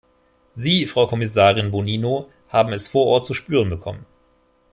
Sie, Frau Kommissarin Bonino, haben es vor Ort zu spüren bekommen.